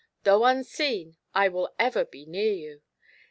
Though unseen, I will ever be near you.